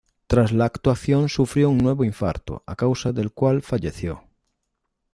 Tras la actuación sufrió un nuevo infarto, a causa del cual falleció.